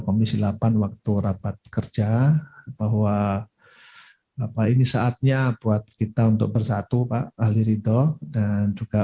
komisi delapan waktu rapat kerja bahwa apa ini saatnya buat kita untuk bersatu pak ahli ridho dan juga